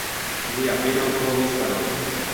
Li apenaŭ povis paroli.